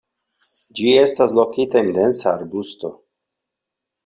Ĝi estas lokita en densa arbusto.